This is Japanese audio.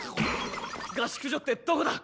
合宿所ってどこだ？